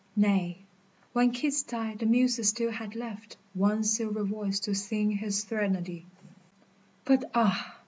Nay, when Keats died the Muses still had left One silver voice to sing his threnody, But ah